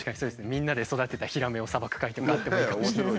みんなで育てたヒラメをさばく会とかあってもいいかもしれないです。